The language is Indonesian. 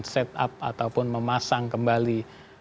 set up ataupun memasang kembali